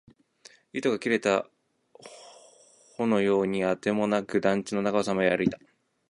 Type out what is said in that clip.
糸が切れた凧のようにあてもなく、団地の中をさまよい歩いた